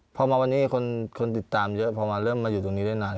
พอมาวันนี้คนติดตามเยอะพอมาเริ่มมาอยู่ตรงนี้ได้นาน